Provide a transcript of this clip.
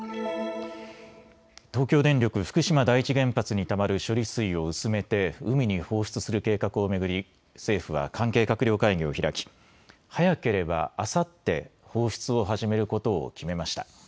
東京電力福島第一原発にたまる処理水を薄めて海に放出する計画を巡り政府は関係閣僚会議を開き早ければあさって放出を始めることを決めました。